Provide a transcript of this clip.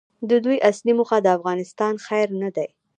د دوی اصلي موخه د افغانستان خیر نه دی.